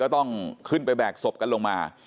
ก็ต้องขึ้นไปแบกศพลงมา